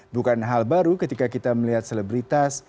bukan hal baru ketika kita melihat selebritas